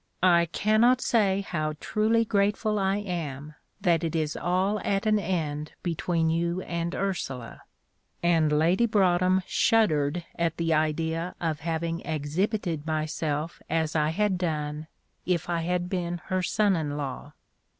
"I cannot say how truly grateful I am that it is all at an end between you and Ursula;" and Lady Broadhem shuddered at the idea of having exhibited myself as I had done, if I had been her son in law.